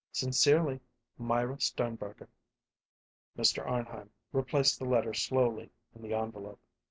Sincerely, MYRA STERNBERGER. Mr. Arnheim replaced the letter slowly in the envelope.